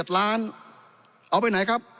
๗ล้านเอาไปไหนครับ